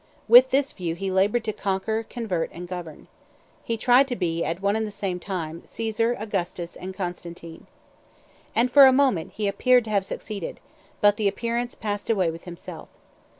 With this view he labored to conquer, convert, and govern. He tried to be, at one and the same time, Caesar, Augustus, and Constantine. And for a moment he appeared to have succeeded; but the appearance passed away with himself.